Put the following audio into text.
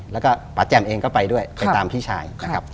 แล้วก็ปาแจ่มเองก็ไปด้วยไปตามพี่ชาย